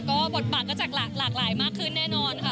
ก็บทบาทก็จะหลากหลายมากขึ้นแน่นอนค่ะ